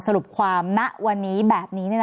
สรุปความณวันนี้แบบนี้